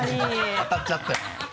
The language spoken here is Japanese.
当たっちゃったよ。